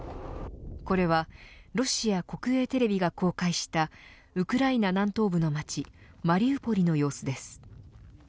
これはロシア国営テレビが公開したウクライナ南東部の街マリウポリの様子です。